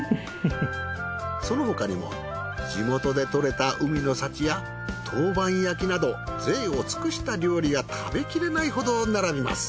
その他にも地元で獲れた海の幸や陶板焼きなど贅を尽くした料理が食べきれないほど並びます。